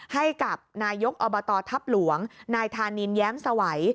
ให้กับนายกอบตทัพหลวงนายธานินแย้มสวัย